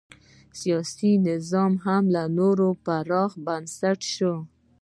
سیاسي نظام نور هم پراخ بنسټه شي.